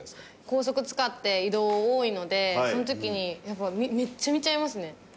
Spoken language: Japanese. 高速使って移動多いのでその時にやっぱめっちゃ見ちゃいますね。